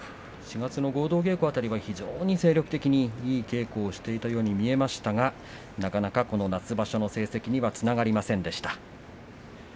４月の合同稽古辺りは非常に精力的に稽古をしているように見えたんですがなかなか夏場所の成績にはつながりませんでした。